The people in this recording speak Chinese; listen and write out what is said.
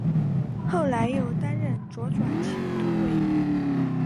后来又担任左转骑都尉。